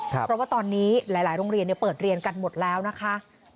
เพราะว่าตอนนี้หลายโรงเรียนเปิดเรียนกันหมดแล้วนะคะ